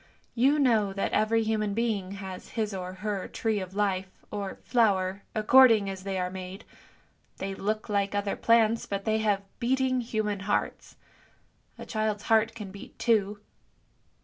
You know that every human being has his or her tree of life, or flower, according as they are made ; they look like other plants, but they have beating human hearts. A child's heart can beat too.